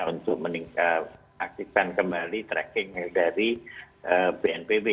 untuk meningkatkan aktifkan kembali trackingnya dari bnpb